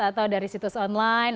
atau dari situs online